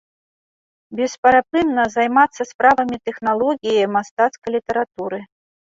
Бесперапынна займацца справамі тэхналогіі мастацкай літаратуры.